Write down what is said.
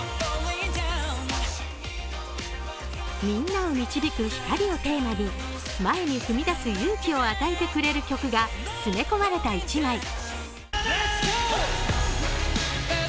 みんなを導く光をテーマに前に踏み出す勇気を与えてくれる曲が詰め込まれた一枚。